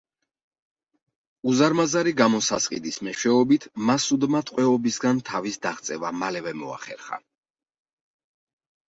უზარმაზარი გამოსასყიდის მეშვეობით მასუდმა ტყვეობისგან თავის დაღწევა მალევე მოახერხა.